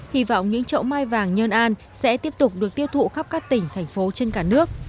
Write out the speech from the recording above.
hy vọng những chậu mai vàng nhân an sẽ tiếp tục được tiêu thụ khắp các tỉnh thành phố trên cả nước